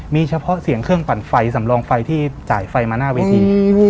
มีเฉพาะเสียงเครื่องปั่นไฟสำรองไฟที่จ่ายไฟมาหน้าเวที